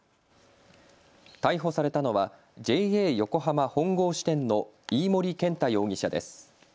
逮捕されたのはＪＡ横浜本郷支店の飯盛健太容疑者です。